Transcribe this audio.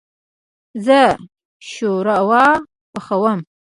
زه شوروا پخوم